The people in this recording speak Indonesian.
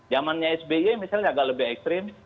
zamannya sby misalnya agak lebih ekstrim